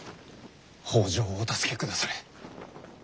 北条をお助けくだされ。